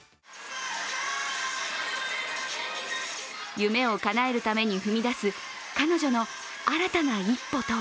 夢をかなえるために踏み出す彼女の新たな一歩とは。